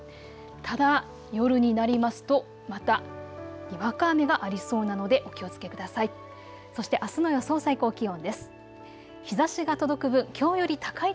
ただ夜になりますとまた、にわか雨がありそうなのでお気をつけください。